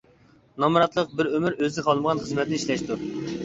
نامراتلىق-بىر ئۆمۈر ئۆزى خالىمىغان خىزمەتنى ئىشلەشتۇر.